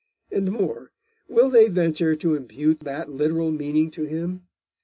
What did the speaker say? And more, will they venture to impute that literal meaning to him?